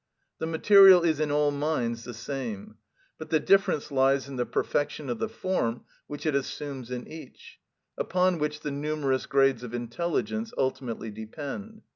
The material is in all minds the same; but the difference lies in the perfection of the form which it assumes in each, upon which the numerous grades of intelligence ultimately depend.